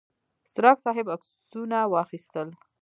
څرک صاحب عکسونه واخیستل.